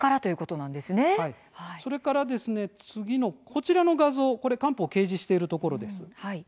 それから、こちらの画像官報を掲示しているところです。